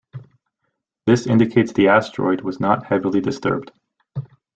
This indicates the asteroid was not heavily disturbed.